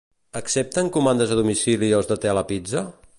Accepten comandes a domicili els de Telepizza?